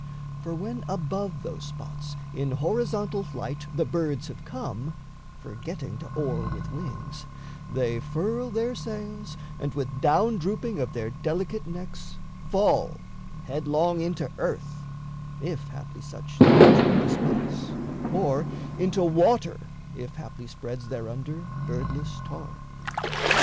For when above those spots In horizontal flight the birds have come, Forgetting to oar with wings, they furl their sails, And, with down drooping of their delicate necks, Fall headlong into earth, if haply such The nature of the spots, or into water, If haply spreads thereunder Birdless tarn.